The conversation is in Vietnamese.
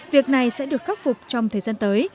việc này sẽ được khắc phục trong thời gian tới